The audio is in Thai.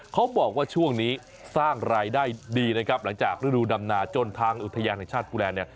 เขาบอกว่าช่วงนี้สร้างรายได้ดีนะครับหลังจากฤดูดำนาจนทางอุทยานแห่งชาติกุแลนดเนี่ย